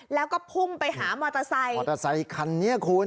แล้วก็พุ่งไปหามอเตอร์ไซค์มอเตอร์ไซคันนี้คุณ